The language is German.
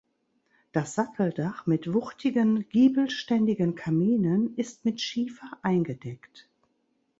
Das Satteldach mit wuchtigen giebelständigen Kaminen ist mit Schiefer eingedeckt.